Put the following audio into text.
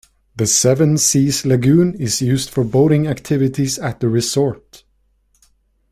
The Seven Seas Lagoon is used for boating activities at the resort.